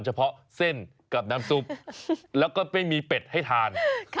เฉพาะเส้นกับน้ำซุปแล้วก็ไม่มีเป็ดให้ทาน